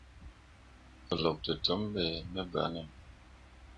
Goluk tǝtǝmmi ɓe ne banne.